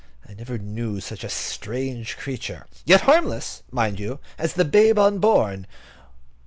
I never knew such a strange creature, yet harmless, mind you, as the babe unborn.